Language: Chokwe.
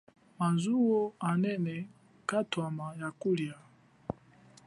Mazuwo anene, mwatwama ya kulia.